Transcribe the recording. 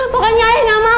pokoknya ayah gak mau